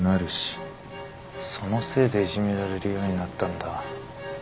そのせいでいじめられるようになったんだ。